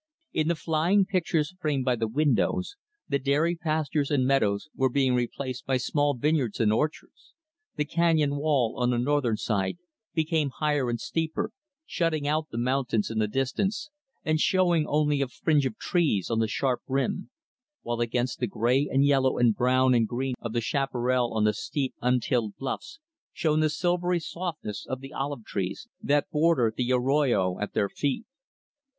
In the flying pictures framed by the windows, the dairy pastures and meadows were being replaced by small vineyards and orchards; the canyon wall, on the northern side, became higher and steeper, shutting out the mountains in the distance and showing only a fringe of trees on the sharp rim; while against the gray and yellow and brown and green of the chaparral on the steep, untilled bluffs, shone the silvery softness of the olive trees that border the arroyo at their feet.